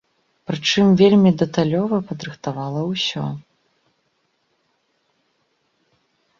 Прычым вельмі дэталёва падрыхтавала ўсё.